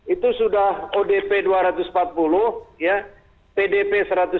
itu sudah odp dua ratus empat puluh pdp satu ratus tiga puluh satu